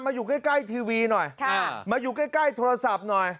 อยู่ใกล้ใกล้ทีวีหน่อยมาอยู่ใกล้ใกล้โทรศัพท์หน่อย